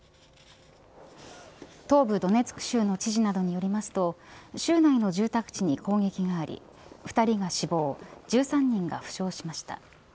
東部ドネツク州の知事などによりますと州内の住宅地に攻撃があり２人が死亡１３人が負傷しました。